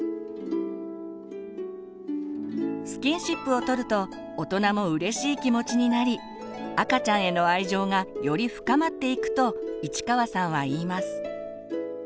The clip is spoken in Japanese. スキンシップを取ると大人もうれしい気持ちになり赤ちゃんへの愛情がより深まっていくと市川さんは言います。